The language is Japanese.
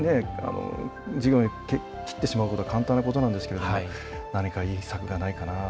従業員を切ってしまうことは簡単なことなんですがいい策はないかなと。